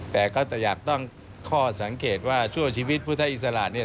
แต่ก็จะอยากตั้งข้อสังเกตว่าชั่วชีวิตพุทธอิสระเนี่ย